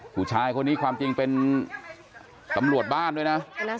ผู้ชายคนนี้ความจริงเป็นตำรวจบ้านด้วยนะ